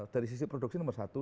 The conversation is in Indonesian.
dari sisi produksi nomor satu